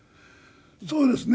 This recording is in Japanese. そうですね。